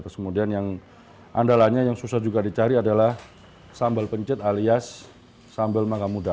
terus kemudian yang andalanya yang susah juga dicari adalah sambal pencet alias sambal mangga muda